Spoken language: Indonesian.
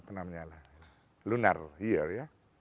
yang mengikuti lunar year ya